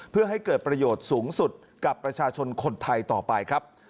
เพื่อให้เกิดประโยชน์สูงสุดกับประชาชนคนไทยต่อไปครับ